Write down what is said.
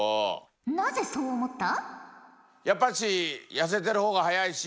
なぜそう思った？